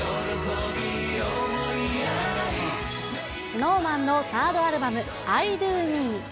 ＳｎｏｗＭａｎのサードアルバム、アイ・ドゥ・ミー。